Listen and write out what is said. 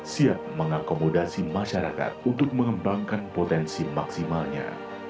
siap mengakomodasi masyarakat untuk mengembangkan potensi maksimalnya